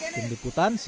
pembeli putan siap